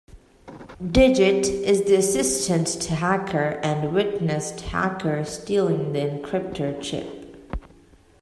Digit is the assistant to Hacker and witnessed Hacker stealing the Encryptor Chip.